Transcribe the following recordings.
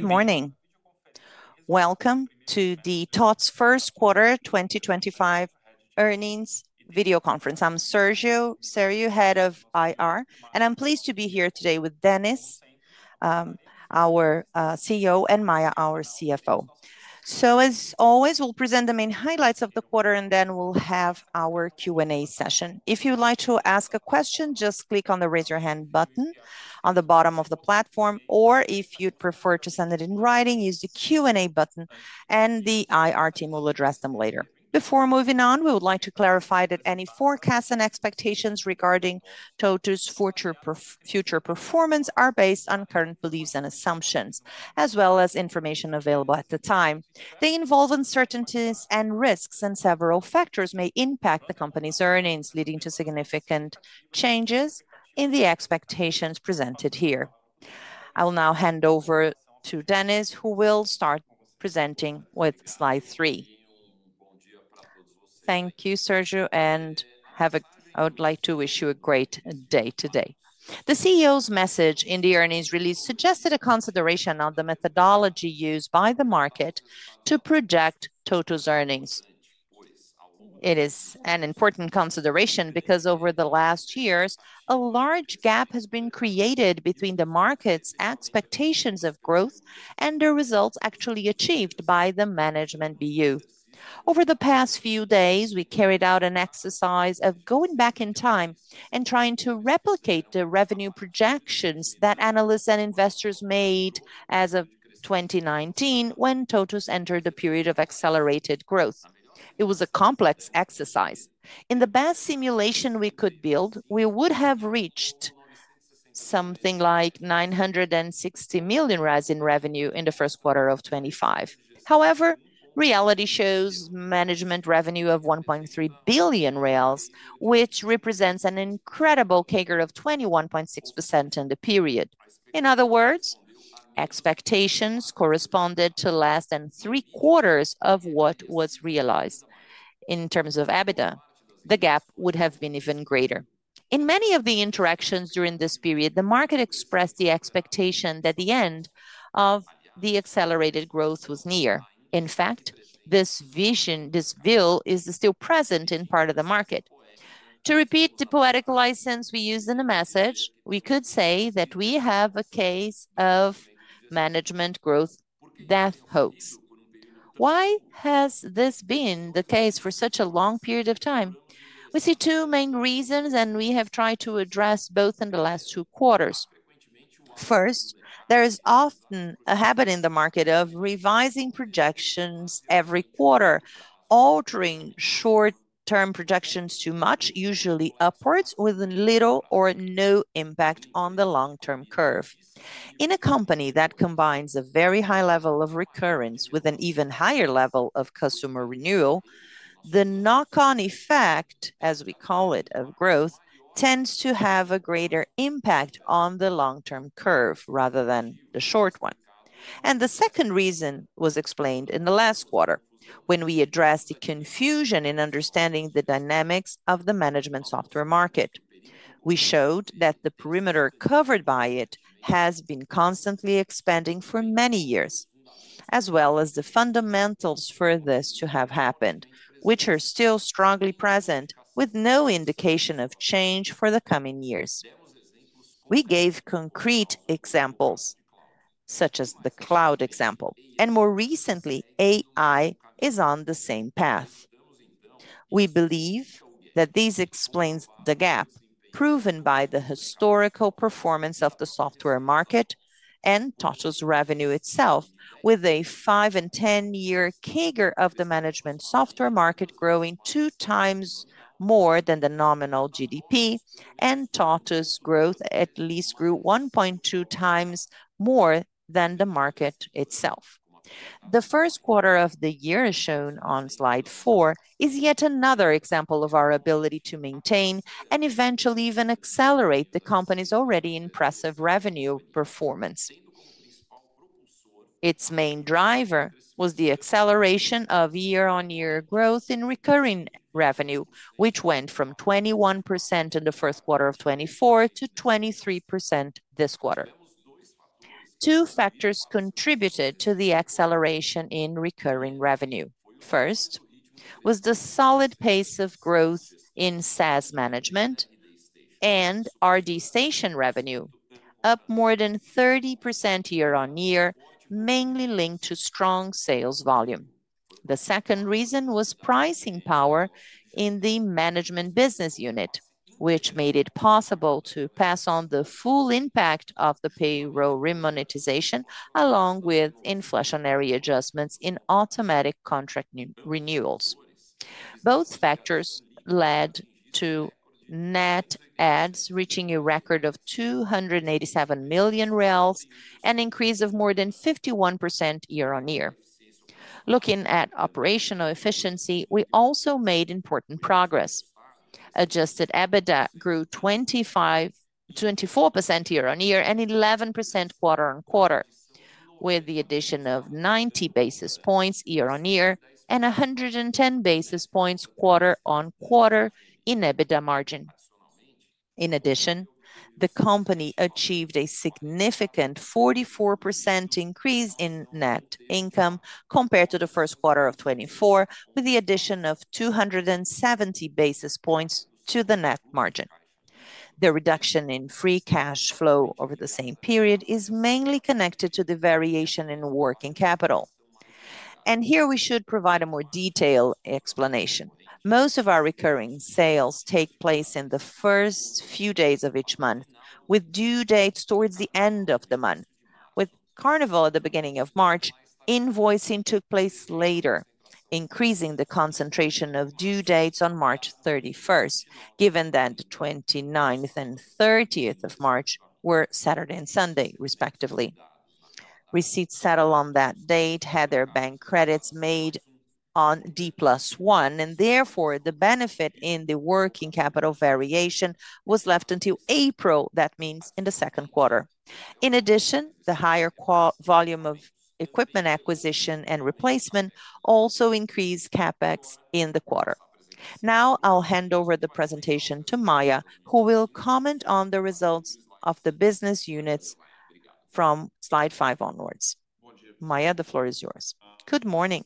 Good morning. Welcome to the TOTVS First Quarter 2025 earnings video conference. I'm Sérgio Sério, Head of IR, and I'm pleased to be here today with Dennis, our CEO, and Maia, our CFO. As always, we'll present the main highlights of the quarter, and then we'll have our Q&A session. If you'd like to ask a question, just click on the Raise Your Hand button on the bottom of the platform, or if you'd prefer to send it in writing, use the Q&A button, and the IR team will address them later. Before moving on, we would like to clarify that any forecasts and expectations regarding TOTVS' future performance are based on current beliefs and assumptions, as well as information available at the time. They involve uncertainties and risks, and several factors may impact the company's earnings, leading to significant changes in the expectations presented here. I will now hand over to Dennis, who will start presenting with slide three. Thank you, Sérgio, and I would like to wish you a great day today. The CEO's message in the earnings release suggested a consideration on the methodology used by the market to project TOTVS' earnings. It is an important consideration because, over the last years, a large gap has been created between the market's expectations of growth and the results actually achieved by the Management BU. Over the past few days, we carried out an exercise of going back in time and trying to replicate the revenue projections that analysts and investors made as of 2019, when TOTVS entered the period of accelerated growth. It was a complex exercise. In the best simulation we could build, we would have reached something like 960 million in revenue in the first quarter of 2025. However, reality shows management revenue of 1.3 billion, which represents an incredible CAGR of 21.6% in the period. In other words, expectations corresponded to less than three quarters of what was realized. In terms of EBITDA, the gap would have been even greater. In many of the interactions during this period, the market expressed the expectation that the end of the accelerated growth was near. In fact, this vision, this view, is still present in part of the market. To repeat the poetic license we used in the message, we could say that we have a case of management growth death hoax. Why has this been the case for such a long period of time? We see two main reasons, and we have tried to address both in the last two quarters. First, there is often a habit in the market of revising projections every quarter, altering short-term projections too much, usually upwards, with little or no impact on the long-term curve. In a company that combines a very high level of recurrence with an even higher level of customer renewal, the knock-on effect, as we call it, of growth tends to have a greater impact on the long-term curve rather than the short one. The second reason was explained in the last quarter when we addressed the confusion in understanding the dynamics of the management software market. We showed that the perimeter covered by it has been constantly expanding for many years, as well as the fundamentals for this to have happened, which are still strongly present, with no indication of change for the coming years. We gave concrete examples, such as the cloud example. More recently, AI is on the same path. We believe that this explains the gap, proven by the historical performance of the software market and TOTVS' revenue itself, with a five and ten-year CAGR of the management software market growing two times more than the nominal GDP, and TOTVS' growth at least grew 1.2 times more than the market itself. The first quarter of the year, as shown on slide four, is yet another example of our ability to maintain and eventually even accelerate the company's already impressive revenue performance. Its main driver was the acceleration of year-on-year growth in recurring revenue, which went from 21% in the first quarter of 2024 to 23% this quarter. Two factors contributed to the acceleration in recurring revenue. First was the solid pace of growth in SaaS management and RD Station revenue, up more than 30% year-on-year, mainly linked to strong sales volume. The second reason was pricing power in the Management BU, which made it possible to pass on the full impact of the payroll remonetization, along with inflationary adjustments in automatic contract renewals. Both factors led to net ads reaching a record of 287 million, an increase of more than 51% year-on-year. Looking at operational efficiency, we also made important progress. Adjusted EBITDA grew 24% year-on-year and 11% quarter-on-quarter, with the addition of 90 basis points year-on-year and 110 basis points quarter-on-quarter in EBITDA margin. In addition, the company achieved a significant 44% increase in net income compared to the first quarter of 2024, with the addition of 270 basis points to the net margin. The reduction in free cash flow over the same period is mainly connected to the variation in working capital. Here we should provide a more detailed explanation. Most of our recurring sales take place in the first few days of each month, with due dates towards the end of the month. With Carnival at the beginning of March, invoicing took place later, increasing the concentration of due dates on March 31st, given that the 29th and 30th of March were Saturday and Sunday, respectively. Receipts settled on that date had their bank credits made on D plus one, and therefore the benefit in the working capital variation was left until April, that means in the second quarter. In addition, the higher volume of equipment acquisition and replacement also increased CapEx in the quarter. Now I'll hand over the presentation to Maia, who will comment on the results of the business units from slide five onwards. Maia, the floor is yours. Good morning.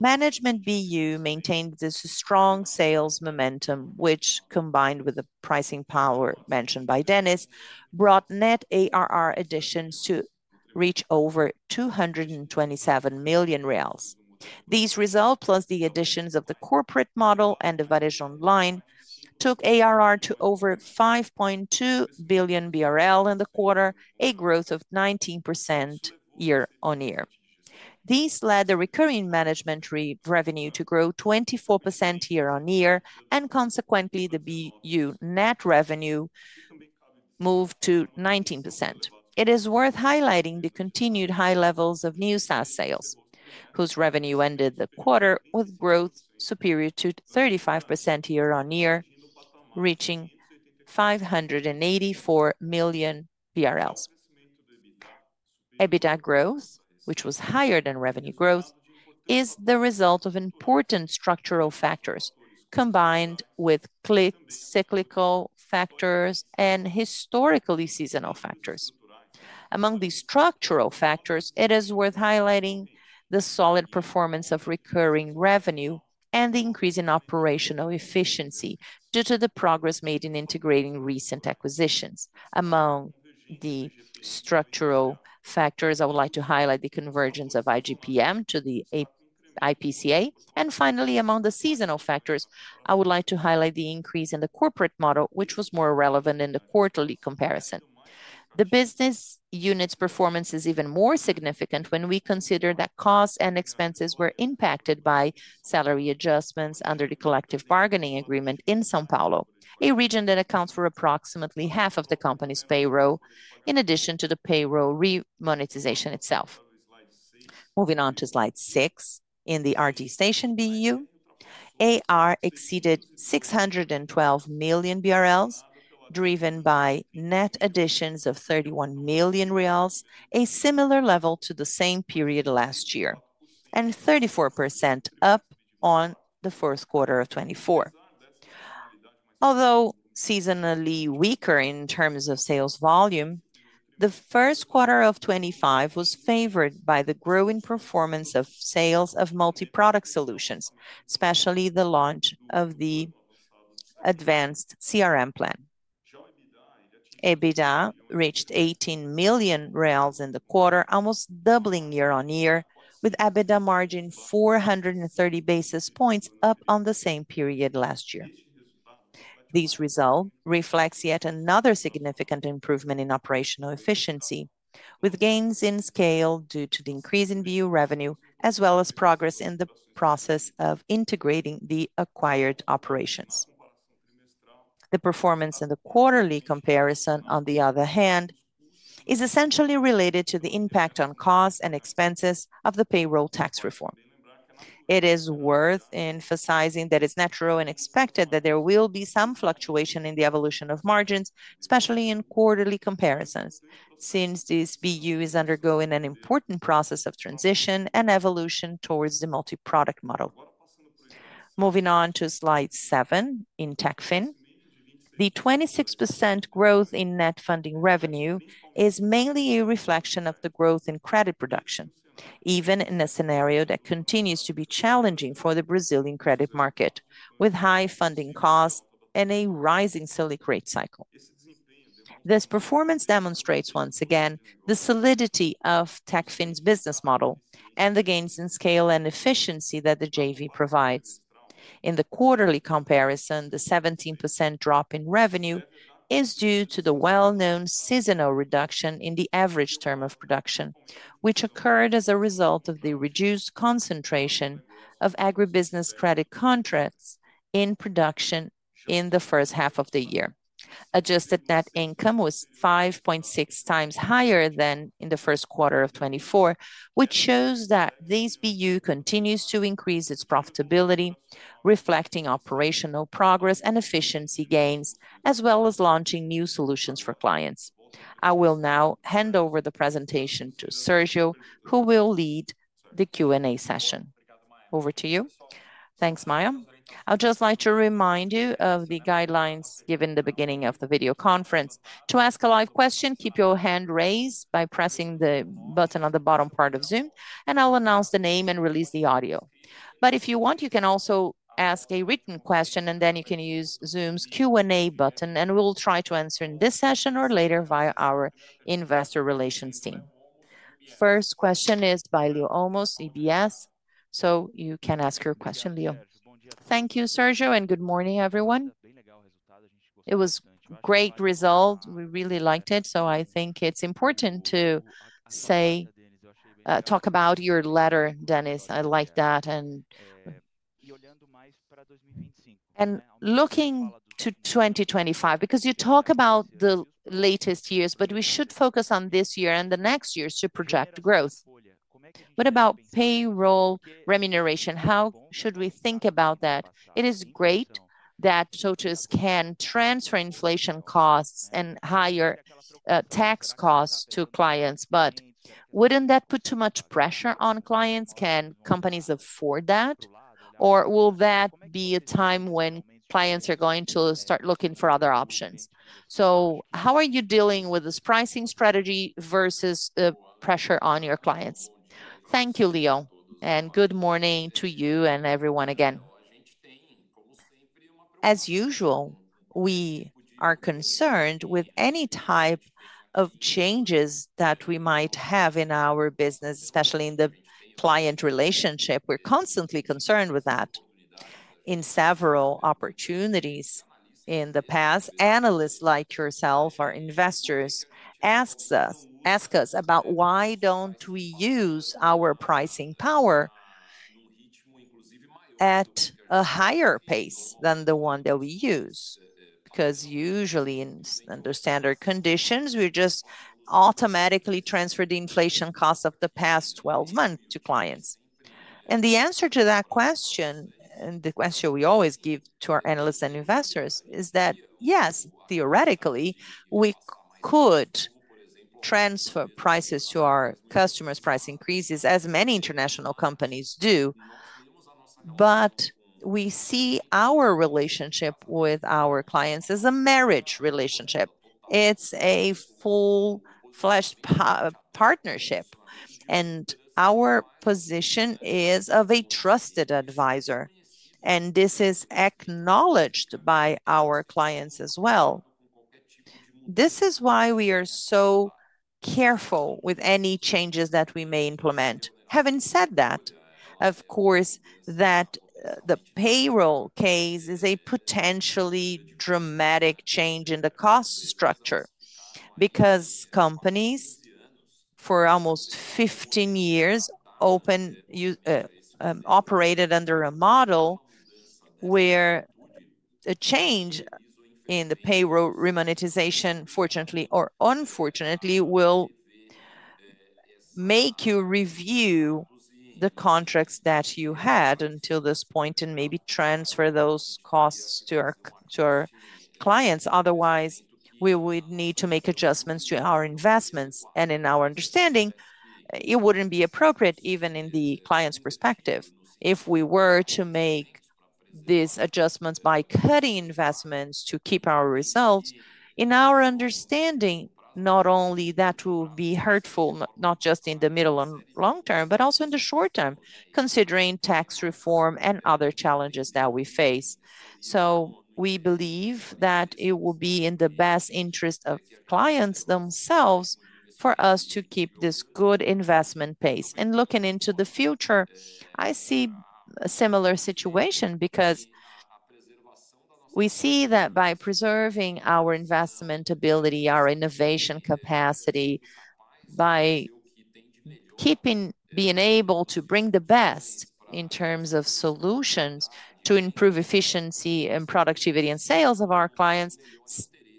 Management BU maintained this strong sales momentum, which, combined with the pricing power mentioned by Dennis, brought net ARR additions to reach over 227 million reais. These results, plus the additions of the corporate model and the various online, took ARR to over 5.2 billion BRL in the quarter, a growth of 19% year-on-year. This led the recurring management revenue to grow 24% year-on-year, and consequently, the BU net revenue moved to 19%. It is worth highlighting the continued high levels of new SaaS sales, whose revenue ended the quarter with growth superior to 35% year-on-year, reaching BRL 584 million. EBITDA growth, which was higher than revenue growth, is the result of important structural factors combined with cyclical factors and historically seasonal factors. Among the structural factors, it is worth highlighting the solid performance of recurring revenue and the increase in operational efficiency due to the progress made in integrating recent acquisitions. Among the structural factors, I would like to highlight the convergence of IGPM to the IPCA. Finally, among the seasonal factors, I would like to highlight the increase in the corporate model, which was more relevant in the quarterly comparison. The business unit's performance is even more significant when we consider that costs and expenses were impacted by salary adjustments under the collective bargaining agreement in São Paulo, a region that accounts for approximately half of the company's payroll, in addition to the payroll remonetization itself. Moving on to slide six. In the RD Station BU, ARR exceeded 612 million BRL, driven by net additions of 31 million reais, a similar level to the same period last year, and 34% up on the first quarter of 2024. Although seasonally weaker in terms of sales volume, the first quarter of 2025 was favored by the growing performance of sales of multi-product solutions, especially the launch of the Advanced CRM Plan. EBITDA reached 18 million reais in the quarter, almost doubling year-on-year, with EBITDA margin 430 basis points up on the same period last year. These results reflect yet another significant improvement in operational efficiency, with gains in scale due to the increase in BU revenue, as well as progress in the process of integrating the acquired operations. The performance in the quarterly comparison, on the other hand, is essentially related to the impact on costs and expenses of the payroll tax reform. It is worth emphasizing that it's natural and expected that there will be some fluctuation in the evolution of margins, especially in quarterly comparisons, since this BU is undergoing an important process of transition and evolution towards the multi-product model. Moving on to slide seven in Techfin. The 26% growth in net funding revenue is mainly a reflection of the growth in credit production, even in a scenario that continues to be challenging for the Brazilian credit market, with high funding costs and a rising Selic rate cycle. This performance demonstrates once again the solidity of Techfin's business model and the gains in scale and efficiency that the JV provides. In the quarterly comparison, the 17% drop in revenue is due to the well-known seasonal reduction in the average term of production, which occurred as a result of the reduced concentration of agribusiness credit contracts in production in the first half of the year. Adjusted net income was 5.6 times higher than in the first quarter of 2024, which shows that this BU continues to increase its profitability, reflecting operational progress and efficiency gains, as well as launching new solutions for clients. I will now hand over the presentation to Sérgio, who will lead the Q&A session. Over to you. Thanks, Maia. I would just like to remind you of the guidelines given at the beginning of the video conference. To ask a live question, keep your hand raised by pressing the button on the bottom part of Zoom, and I'll announce the name and release the audio. If you want, you can also ask a written question, and then you can use Zoom's Q&A button, and we will try to answer in this session or later via our investor relations team. First question is by Leo Olmos, UBS. You can ask your question, Leo. Thank you, Sérgio, and good morning, everyone. It was a great result. We really liked it. I think it is important to talk about your letter, Dennis. I like that. Looking to 2025, because you talk about the latest years, but we should focus on this year and the next years to project growth. What about payroll remuneration? How should we think about that? It is great that TOTVS can transfer inflation costs and higher tax costs to clients, but would not that put too much pressure on clients? Can companies afford that? Or will that be a time when clients are going to start looking for other options? How are you dealing with this pricing strategy versus the pressure on your clients? Thank you, Leo, and good morning to you and everyone again. As usual, we are concerned with any type of changes that we might have in our business, especially in the client relationship. We are constantly concerned with that. In several opportunities in the past, analysts like yourself or investors ask us about why do not we use our pricing power at a higher pace than the one that we use? Because usually, under standard conditions, we just automatically transfer the inflation cost of the past 12 months to clients. The answer to that question, and the question we always give to our analysts and investors, is that yes, theoretically, we could transfer prices to our customers, price increases, as many international companies do. We see our relationship with our clients as a marriage relationship. It is a full-fledged partnership, and our position is of a trusted advisor, and this is acknowledged by our clients as well. This is why we are so careful with any changes that we may implement. Having said that, of course, the payroll case is a potentially dramatic change in the cost structure because companies for almost 15 years operated under a model where a change in the payroll remonetization, fortunately or unfortunately, will make you review the contracts that you had until this point and maybe transfer those costs to our clients. Otherwise, we would need to make adjustments to our investments, and in our understanding, it would not be appropriate, even in the client's perspective, if we were to make these adjustments by cutting investments to keep our results. In our understanding, not only that will be hurtful, not just in the middle and long term, but also in the short term, considering tax reform and other challenges that we face. We believe that it will be in the best interest of clients themselves for us to keep this good investment pace. Looking into the future, I see a similar situation because we see that by preserving our investment ability, our innovation capacity, by keeping being able to bring the best in terms of solutions to improve efficiency and productivity and sales of our clients,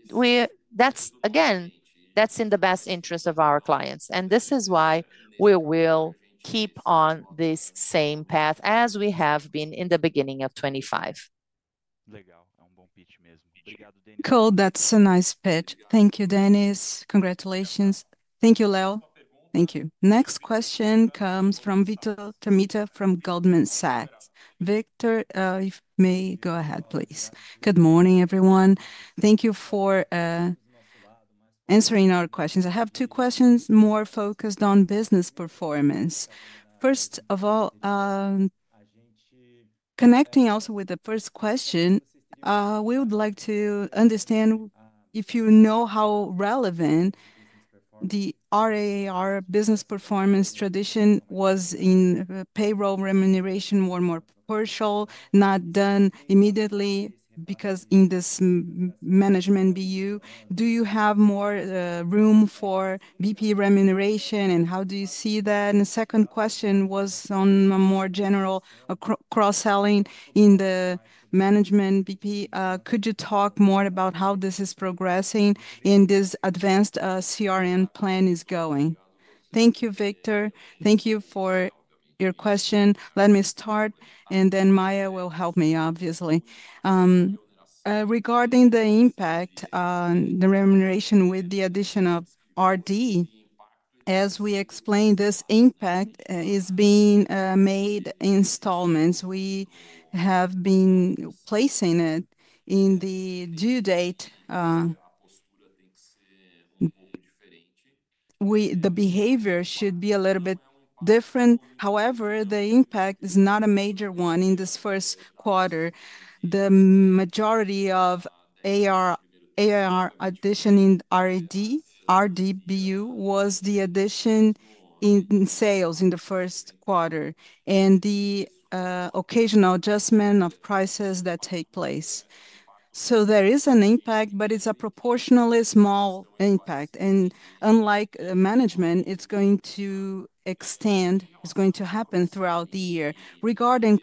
that is again, that is in the best interest of our clients. This is why we will keep on this same path as we have been in the beginning of 2025. Cool, that's a nice pit. Thank you, Dennis. Congratulations. Thank you, Leo. Thank you. Next question comes from Vitor Tomita from Goldman Sachs. Victor, if you may go ahead, please. Good morning, everyone. Thank you for answering our questions. I have two questions more focused on business performance. First of all, connecting also with the first question, we would like to understand if you know how relevant the ARR business performance tradition was in payroll remuneration, more and more partial, not done immediately because in this Management BU, do you have more room for BP remuneration and how do you see that? The second question was on a more general cross-selling in the management BP. Could you talk more about how this is progressing in this Advanced CRM Plan is going? Thank you, Vitor. Thank you for your question. Let me start, and then Maia will help me, obviously. Regarding the impact on the remuneration with the addition of RD, as we explain, this impact is being made in installments. We have been placing it in the due date. The behavior should be a little bit different. However, the impact is not a major one in this first quarter. The majority of ARR addition in RD BU was the addition in sales in the first quarter and the occasional adjustment of prices that take place. There is an impact, but it's a proportionally small impact. Unlike Management, it's going to extend, it's going to happen throughout the year. Regarding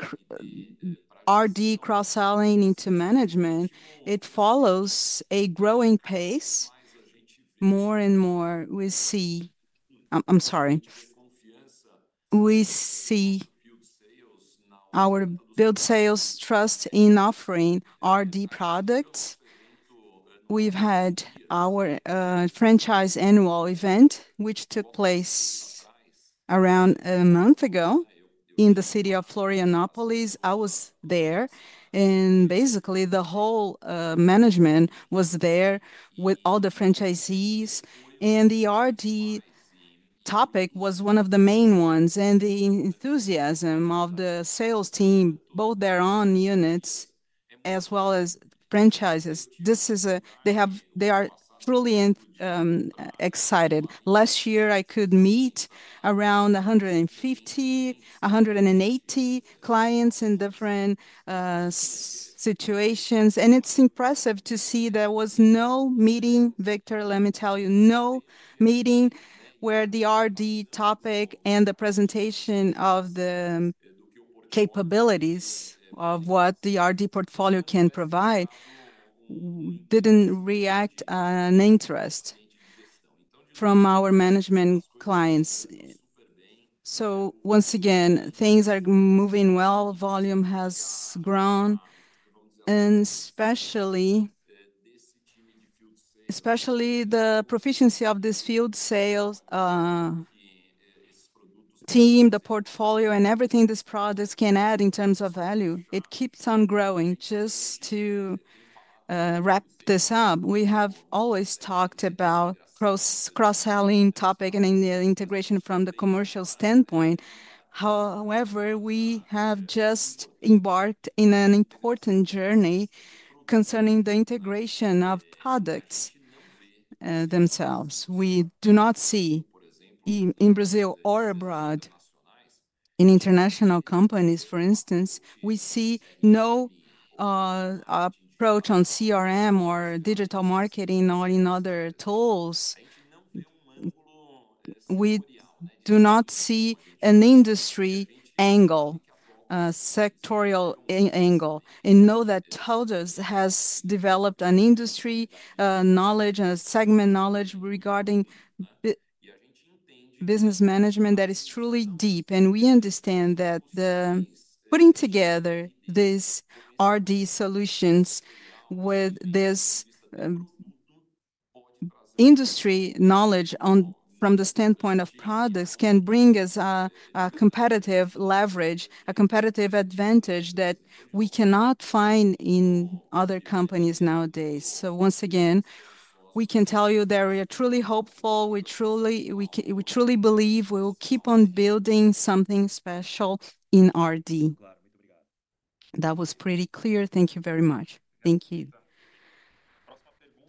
RD cross-selling into Management, it follows a growing pace. More and more we see, I'm sorry, we see our build sales trust in offering RD products. We've had our franchise annual event, which took place around a month ago in the city of Florianópolis. I was there, and basically the whole management was there with all the franchisees, and the RD topic was one of the main ones, and the enthusiasm of the sales team, both their own units as well as franchises. They are truly excited. Last year, I could meet around 150-180 clients in different situations, and it's impressive to see there was no meeting, Vitor, let me tell you, no meeting where the RD topic and the presentation of the capabilities of what the RD portfolio can provide didn't react in interest from our management clients. Once again, things are moving well, volume has grown, and especially the proficiency of this field sales, the team, the portfolio, and everything this product can add in terms of value. It keeps on growing. Just to wrap this up, we have always talked about cross-selling topic and integration from the commercial standpoint. However, we have just embarked on an important journey concerning the integration of products themselves. We do not see in Brazil or abroad, in international companies, for instance, we see no approach on CRM or digital marketing or in other tools. We do not see an industry angle, a sectorial angle, and know that TOTVS has developed an industry knowledge and a segment knowledge regarding business management that is truly deep. We understand that putting together these RD solutions with this industry knowledge from the standpoint of products can bring us a competitive leverage, a competitive advantage that we cannot find in other companies nowadays. Once again, we can tell you that we are truly hopeful. We truly believe we will keep on building something special in RD. That was pretty clear. Thank you very much. Thank you.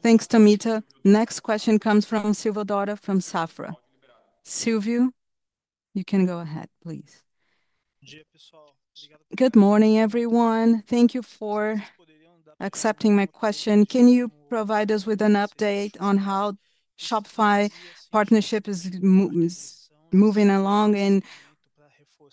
Thanks, Tamita. Next question comes from Silvio from Safra. Silvio, you can go ahead, please. Good morning, everyone. Thank you for accepting my question. Can you provide us with an update on how the Shopify partnership is moving along?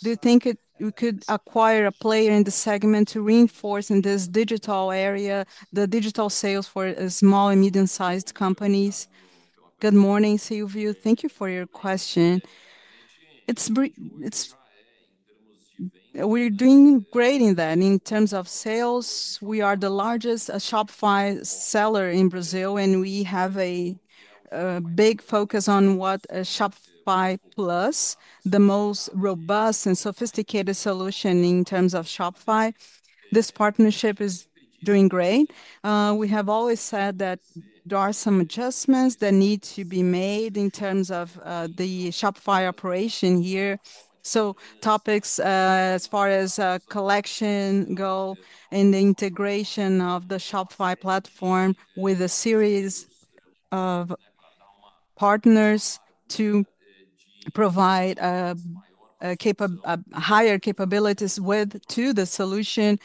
Do you think we could acquire a player in the segment to reinforce in this digital area, the digital sales for small and medium-sized companies? Good morning, Silvio. Thank you for your question. We're doing great in that. In terms of sales, we are the largest Shopify seller in Brazil, and we have a big focus on what Shopify Plus, the most robust and sophisticated solution in terms of Shopify. This partnership is doing great. We have always said that there are some adjustments that need to be made in terms of the Shopify operation here. Topics as far as collection go and the integration of the Shopify platform with a series of partners to provide higher capabilities to the solution.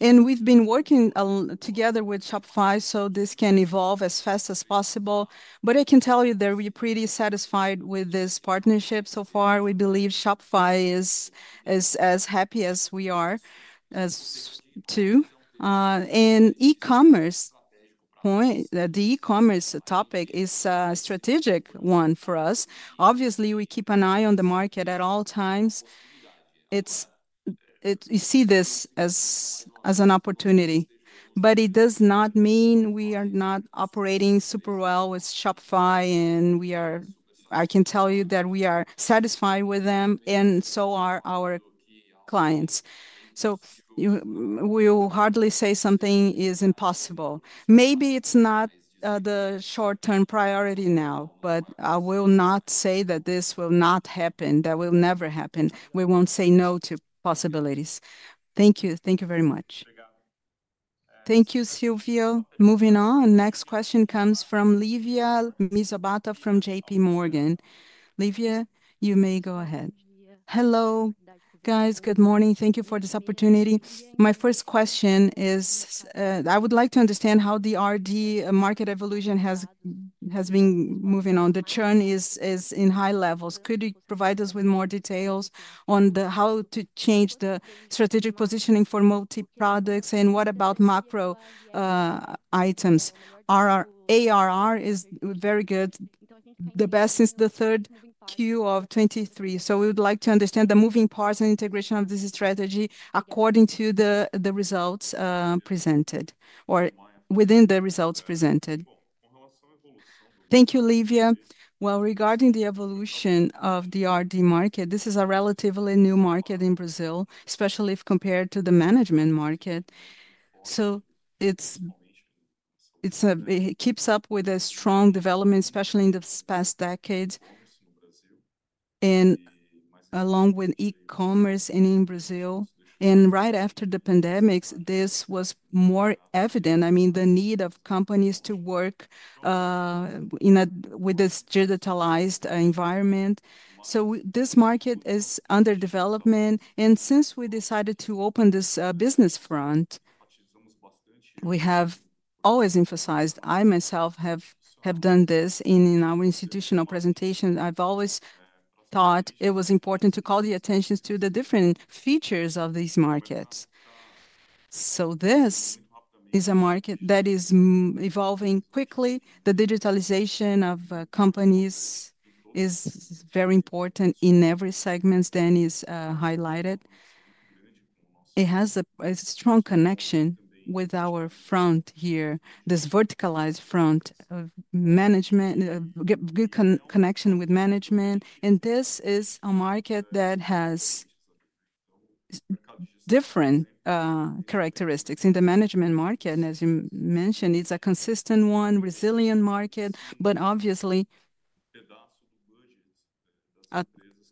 We have been working together with Shopify so this can evolve as fast as possible. I can tell you that we are pretty satisfied with this partnership so far. We believe Shopify is as happy as we are too. E-commerce, the e-commerce topic is a strategic one for us. Obviously, we keep an eye on the market at all times. You see this as an opportunity, but it does not mean we are not operating super well with Shopify. I can tell you that we are satisfied with them, and so are our clients. We will hardly say something is impossible. Maybe it is not the short-term priority now, but I will not say that this will not happen, that will never happen. We will not say no to possibilities. Thank you. Thank you very much. Thank you, Silvio. Moving on, next question comes from Livea Mizobata from JPMorgan. Livea, you may go ahead. Hello, guys. Good morning. Thank you for this opportunity. My first question is I would like to understand how the RD market evolution has been moving on. The churn is in high levels. Could you provide us with more details on how to change the strategic positioning for multi-products? What about macro items? ARR is very good. The best since the third Q of 2023. We would like to understand the moving parts and integration of this strategy according to the results presented or within the results presented. Thank you, Livea. Regarding the evolution of the RD market, this is a relatively new market in Brazil, especially if compared to the management market. It keeps up with a strong development, especially in the past decades, and along with e-commerce in Brazil. Right after the pandemics, this was more evident. I mean, the need of companies to work with this digitalized environment. This market is under development. Since we decided to open this business front, we have always emphasized, I myself have done this in our institutional presentations. I have always thought it was important to call the attention to the different features of these markets. This is a market that is evolving quickly. The digitalization of companies is very important in every segment, Dennis highlighted. It has a strong connection with our front here, this verticalized front of management, good connection with management. This is a market that has different characteristics in the management market. As you mentioned, it's a consistent one, resilient market, but obviously,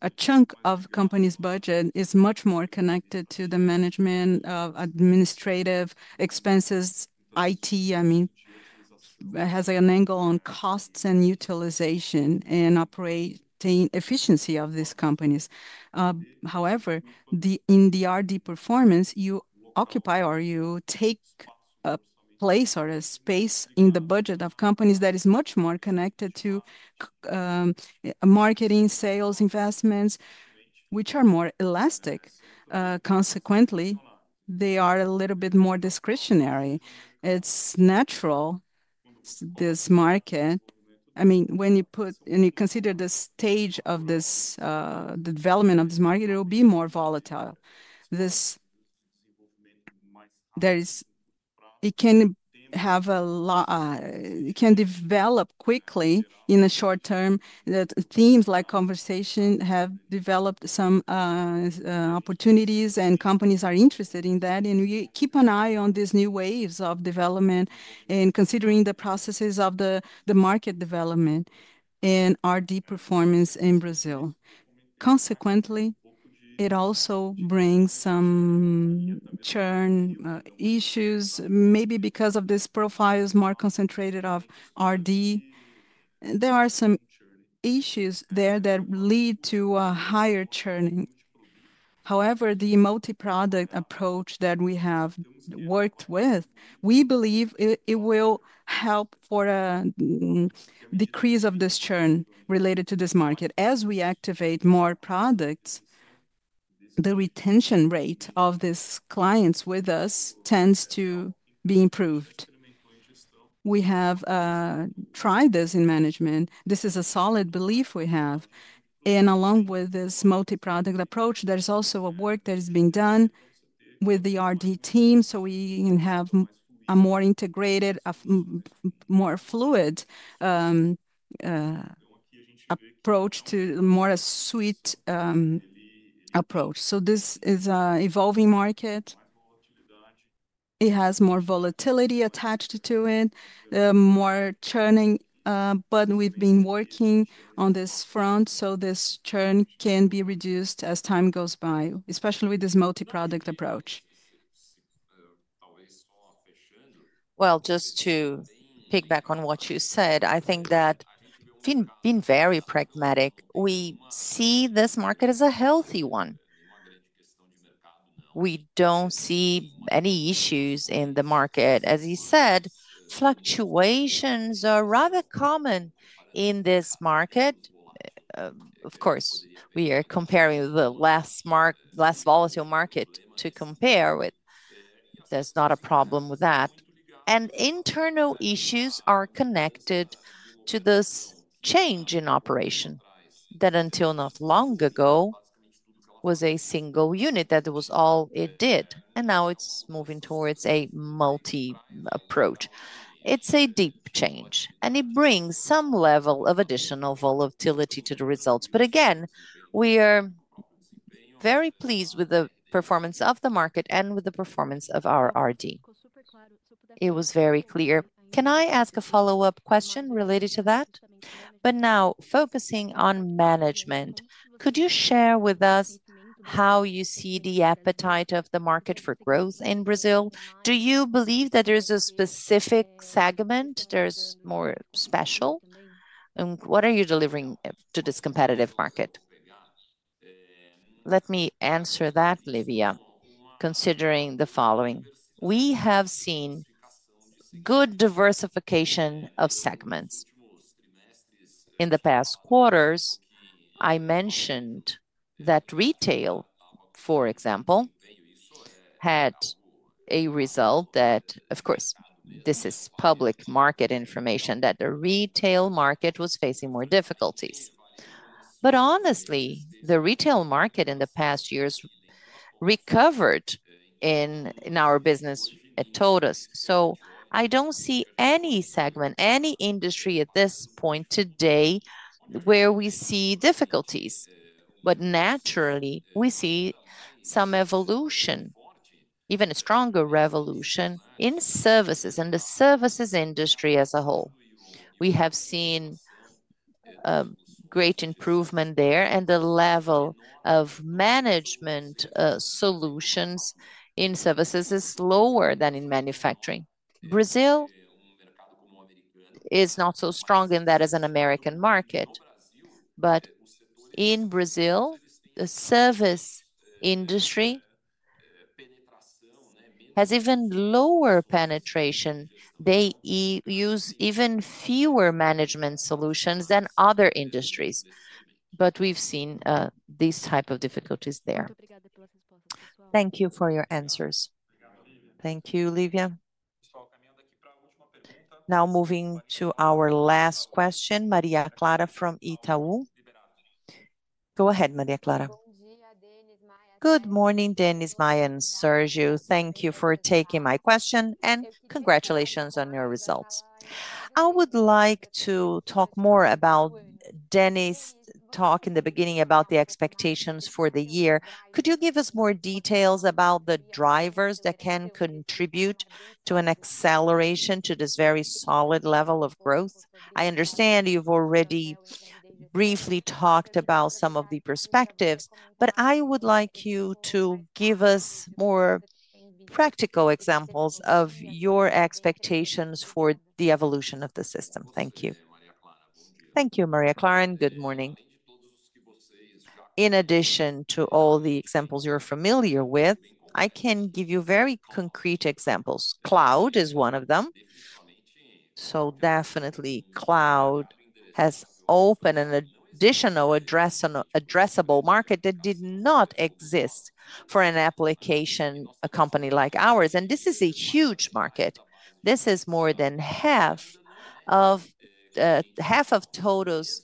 a chunk of the company's budget is much more connected to the management of administrative expenses, IT. I mean, it has an angle on costs and utilization and operating efficiency of these companies. However, in the RD performance, you occupy or you take a place or a space in the budget of companies that is much more connected to marketing, sales, investments, which are more elastic. Consequently, they are a little bit more discretionary. It's natural this market. I mean, when you put and you consider the stage of this development of this market, it will be more volatile. There is, it can have a lot, it can develop quickly in the short term. The themes like conversation have developed some opportunities, and companies are interested in that. We keep an eye on these new waves of development and considering the processes of the market development and RD performance in Brazil. Consequently, it also brings some churn issues maybe because of this profile is more concentrated of RD. There are some issues there that lead to a higher churning. However, the multi-product approach that we have worked with, we believe it will help for a decrease of this churn related to this market. As we activate more products, the retention rate of these clients with us tends to be improved. We have tried this in management. This is a solid belief we have. Along with this multi-product approach, there is also work that is being done with the RD team so we can have a more integrated, more fluid approach to more a suite approach. This is an evolving market. It has more volatility attached to it, more churning, but we have been working on this front so this churn can be reduced as time goes by, especially with this multi-product approach. Just to piggyback on what you said, I think that being very pragmatic, we see this market as a healthy one. We do not see any issues in the market. As you said, fluctuations are rather common in this market. Of course, we are comparing the less volatile market to compare with. There is not a problem with that. Internal issues are connected to this change in operation that until not long ago was a single unit that was all it did. Now it is moving towards a multi-approach. It is a deep change, and it brings some level of additional volatility to the results. Again, we are very pleased with the performance of the market and with the performance of our RD. It was very clear. Can I ask a follow-up question related to that? Now focusing on management, could you share with us how you see the appetite of the market for growth in Brazil? Do you believe that there is a specific segment that is more special? What are you delivering to this competitive market? Let me answer that, Livea, considering the following. We have seen good diversification of segments. In the past quarters, I mentioned that retail, for example, had a result that, of course, this is public market information, that the retail market was facing more difficulties. Honestly, the retail market in the past years recovered in our business at TOTVS. I do not see any segment, any industry at this point today where we see difficulties. Naturally, we see some evolution, even a stronger revolution in services and the services industry as a whole. We have seen great improvement there, and the level of management solutions in services is lower than in manufacturing. Brazil is not so strong in that as an American market. In Brazil, the service industry has even lower penetration. They use even fewer management solutions than other industries. We have seen these types of difficulties there. Thank you for your answers. Thank you, Livea. Now moving to our last question, Maria Clara from Itaú. Go ahead, Maria Clara. Good morning, Dennis, Maia, and Sérgio. Thank you for taking my question and congratulations on your results. I would like to talk more about Dennis' talk in the beginning about the expectations for the year. Could you give us more details about the drivers that can contribute to an acceleration to this very solid level of growth? I understand you've already briefly talked about some of the perspectives, but I would like you to give us more practical examples of your expectations for the evolution of the system. Thank you. Thank you, Maria Clara. Good morning. In addition to all the examples you're familiar with, I can give you very concrete examples. Cloud is one of them. Cloud has opened an additional addressable market that did not exist for an application, a company like ours. This is a huge market. More than half of TOTVS'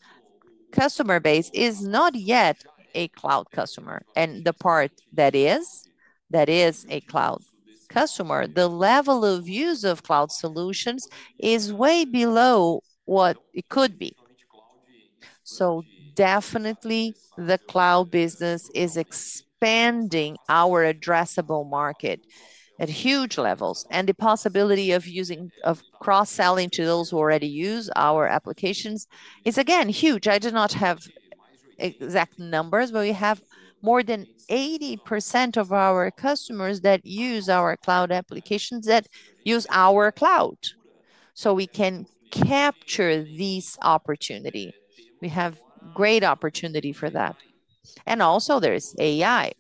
customer base is not yet a cloud customer. The part that is a cloud customer, the level of use of cloud solutions is way below what it could be. The cloud business is expanding our addressable market at huge levels. The possibility of cross-selling to those who already use our applications is, again, huge. I do not have exact numbers, but we have more than 80% of our customers that use our cloud applications that use our cloud. We can capture this opportunity. We have great opportunity for that. Also, there is AI.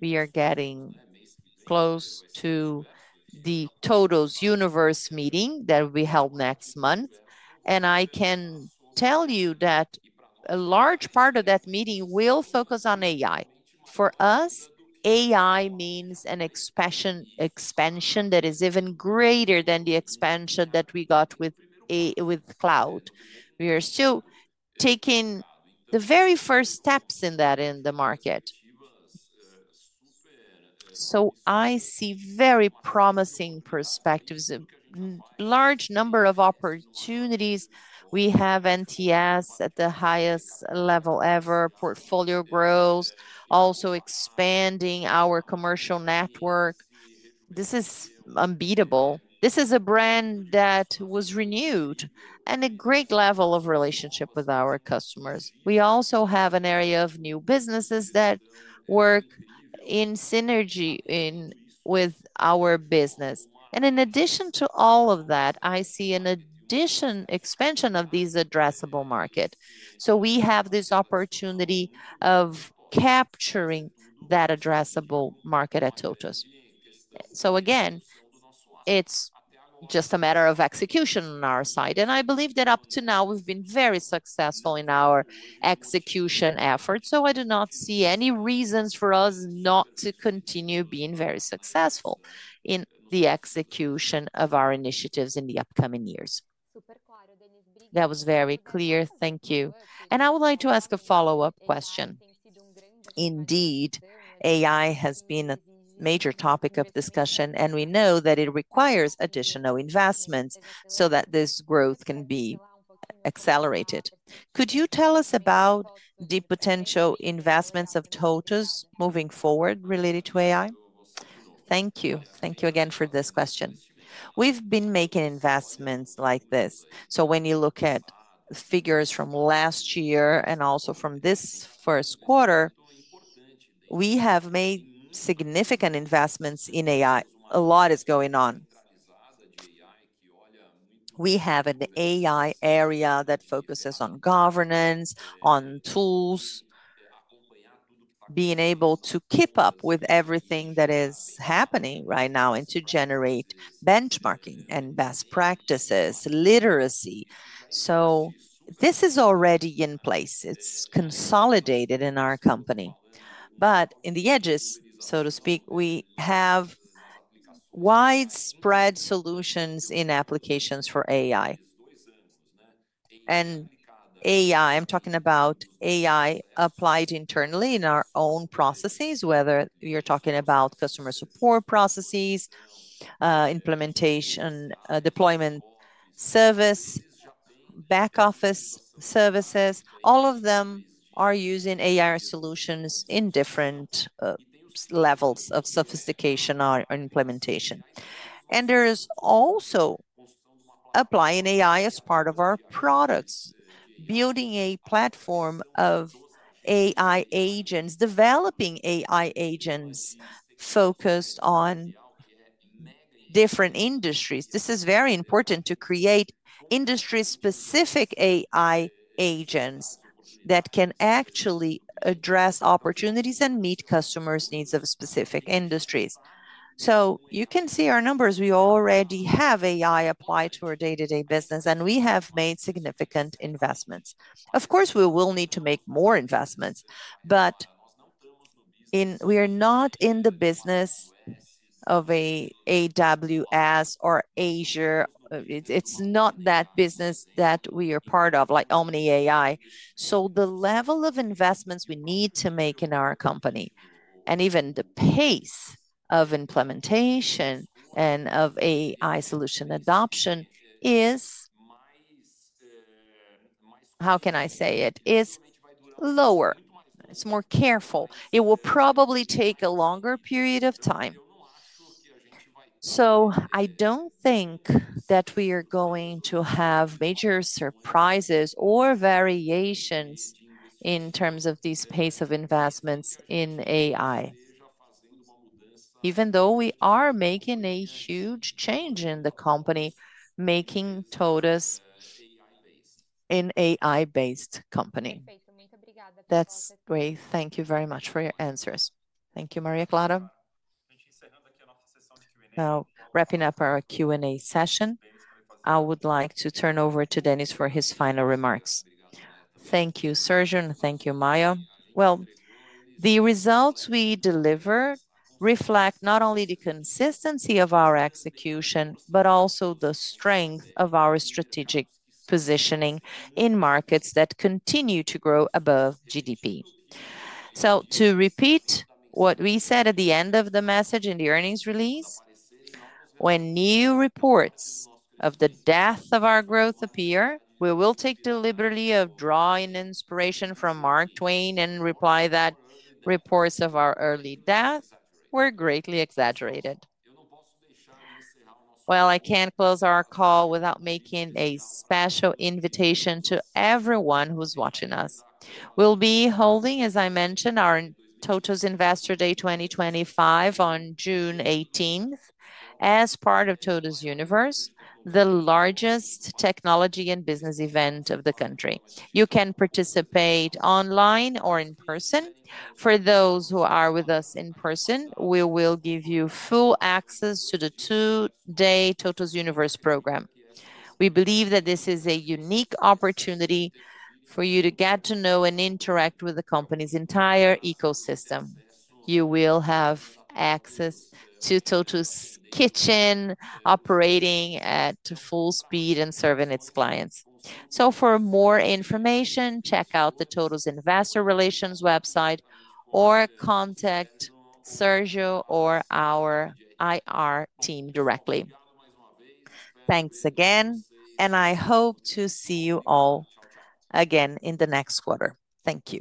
We are getting close to the TOTVS Universe meeting that we held next month. I can tell you that a large part of that meeting will focus on AI. For us, AI means an expansion that is even greater than the expansion that we got with cloud. We are still taking the very first steps in that in the market. I see very promising perspectives, a large number of opportunities. We have NTS at the highest level ever, portfolio growth, also expanding our commercial network. This is unbeatable. This is a brand that was renewed and a great level of relationship with our customers. We also have an area of new businesses that work in synergy with our business. In addition to all of that, I see an additional expansion of this addressable market. We have this opportunity of capturing that addressable market at TOTVS. Again, it's just a matter of execution on our side. I believe that up to now, we've been very successful in our execution efforts. I do not see any reasons for us not to continue being very successful in the execution of our initiatives in the upcoming years. That was very clear. Thank you. I would like to ask a follow-up question. Indeed, AI has been a major topic of discussion, and we know that it requires additional investments so that this growth can be accelerated. Could you tell us about the potential investments of TOTVS moving forward related to AI? Thank you. Thank you again for this question. We've been making investments like this. When you look at figures from last year and also from this first quarter, we have made significant investments in AI. A lot is going on. We have an AI area that focuses on governance, on tools, being able to keep up with everything that is happening right now and to generate benchmarking and best practices, literacy. This is already in place. It is consolidated in our company. In the edges, so to speak, we have widespread solutions in applications for AI. AI, I am talking about AI applied internally in our own processes, whether you are talking about customer support processes, implementation, deployment service, back office services. All of them are using AI solutions in different levels of sophistication or implementation. There is also applying AI as part of our products, building a platform of AI agents, developing AI agents focused on different industries. This is very important to create industry-specific AI agents that can actually address opportunities and meet customers' needs of specific industries. You can see our numbers. We already have AI applied to our day-to-day business, and we have made significant investments. Of course, we will need to make more investments, but we are not in the business of AWS or Azure. It's not that business that we are part of, like Omni AI. The level of investments we need to make in our company, and even the pace of implementation and of AI solution adoption is, how can I say it, is lower. It's more careful. It will probably take a longer period of time. I don't think that we are going to have major surprises or variations in terms of this pace of investments in AI, even though we are making a huge change in the company, making TOTVS an AI-based company. That's great. Thank you very much for your answers. Thank you, Maria Clara. Now, wrapping up our Q&A session, I would like to turn over to Dennis for his final remarks. Thank you, Sérgio. Thank you, Maia. The results we deliver reflect not only the consistency of our execution, but also the strength of our strategic positioning in markets that continue to grow above GDP. To repeat what we said at the end of the message in the earnings release, when new reports of the death of our growth appear, we will take deliberately a draw in inspiration from Mark Twain and reply that reports of our early death were greatly exaggerated. I cannot close our call without making a special invitation to everyone who's watching us. We will be holding, as I mentioned, our TOTVS Investor Day 2025 on June 18th as part of TOTVS Universe, the largest technology and business event of the country. You can participate online or in person. For those who are with us in person, we will give you full access to the two-day TOTVS Universe program. We believe that this is a unique opportunity for you to get to know and interact with the company's entire ecosystem. You will have access to TOTVS' kitchen operating at full speed and serving its clients. For more information, check out the TOTVS Investor Relations website or contact Sérgio Sério or our IR team directly. Thanks again, and I hope to see you all again in the next quarter. Thank you.